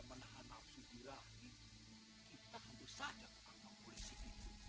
menanggung polisi itu